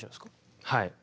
はい。